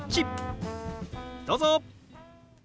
どうぞ！